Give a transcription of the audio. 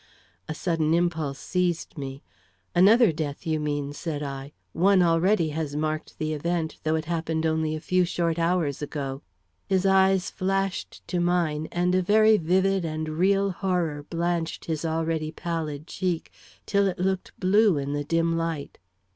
A sudden impulse seized me. "Another death, you mean," said I; "one already has marked the event, though it happened only a few short hours ago." His eyes flashed to mine, and a very vivid and real horror blanched his already pallid cheek till it looked blue in the dim light.